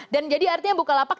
dan jadi artinya bukalapak com